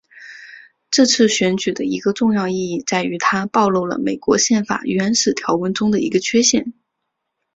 这次选举的一个重要意义在于它暴露了美国宪法原始条文中的一个缺陷。